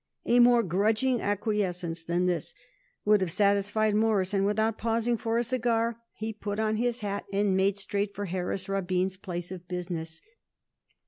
A more grudging acquiescence than this would have satisfied Morris, and, without pausing for a cigar, he put on his hat and made straight for Harris Rabin's place of business.